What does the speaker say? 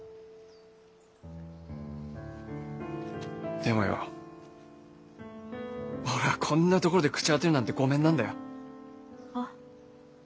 でもよ俺ぁこんなところで朽ち果てるなんてごめんなんだよ。は？